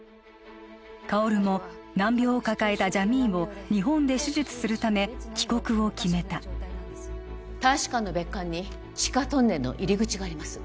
薫も難病を抱えたジャミーンを日本で手術するため帰国を決めた大使館の別館に地下トンネルの入り口があります